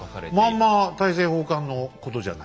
まんま大政奉還のことじゃない。